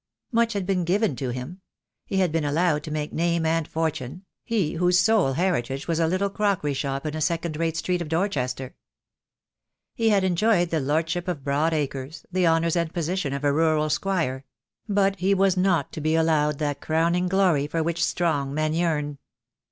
Much had been given to him. He had been allowed to make name and fortune, he whose sole heritage was a little crockery shop in a second rate street of Dorchester. He had enjoyed the lordship of broad acres, the honours and position of a rural squire ; but he was not to be allowed that crown ing glory for which strong men yearn.